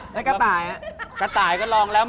แล้วกระต่ายอะ